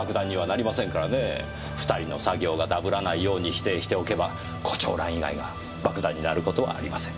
２人の作業がダブらないように指定しておけば胡蝶蘭以外が爆弾になる事はありません。